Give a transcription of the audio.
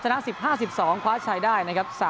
ชนะ๑๐๕๒คว้าใช้ได้นะครับ